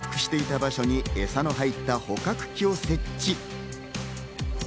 そこで、潜伏していた場所にエサの入った捕獲器を設置。